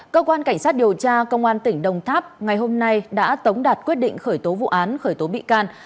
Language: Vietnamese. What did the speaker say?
cơ quan cảnh sát điều tra công an tỉnh đồng tháp ngày hôm nay đã tống đạt quyết định khởi tố vụ án khởi tố bị can